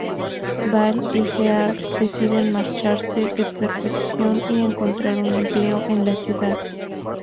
Val y Earl deciden marcharse de Perfección y encontrar un empleo en la ciudad.